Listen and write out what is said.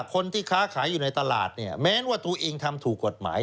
คนที่ค้าขายอยู่ในตลาดเนี่ยแม้ว่าตัวเองทำถูกกฎหมาย